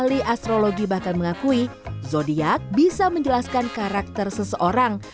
ahli astrologi bahkan mengakui zodiac bisa menjelaskan karakter seseorang